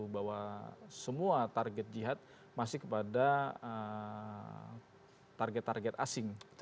bahwa semua target jihad masih kepada target target asing